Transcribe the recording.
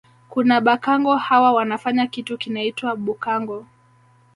Kuna Bhakango hawa wanafanya kitu kinaitwa bhukango